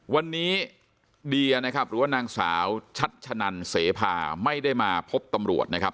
วันนี้เดียนะครับหรือว่านางสาวชัชชะนันเสพาไม่ได้มาพบตำรวจนะครับ